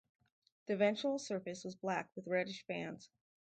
The ventral surface was black with reddish bands.